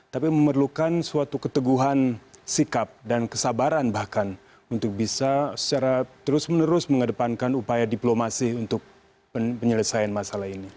tapi memerlukan suatu keteguhan sikap dan kesabaran bahkan untuk bisa secara terus menerus mengedepankan upaya diplomasi untuk penyelesaian masalah ini